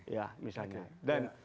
ya misalnya dan